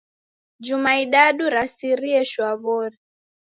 Juma idadu rasirie shwaw'ori.